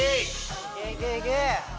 いけいけいけ！